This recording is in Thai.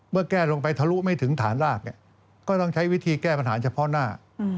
แก้ลงไปทะลุไม่ถึงฐานรากก็ต้องใช้วิธีแก้ปัญหาเฉพาะหน้า